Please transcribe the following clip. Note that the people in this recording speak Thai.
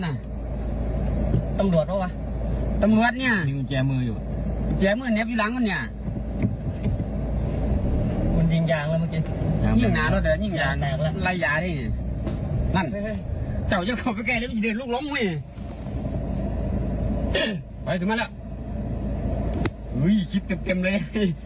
นั่นเจ้าเจ้าของก็แก๊งแล้วอีเดินลูกล้อมเว้ยไปดูมาแล้วอุ้ยคลิปจับเต็มเลย